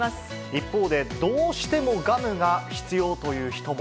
一方で、どうしてもガムが必要という人も。